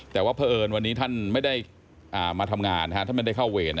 แต่ว่าเพราะเอิญวันนี้ท่านไม่ได้มาทำงานท่านไม่ได้เข้าเวร